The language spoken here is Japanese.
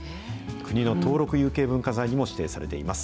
国の登録有形文化財にも指定されています。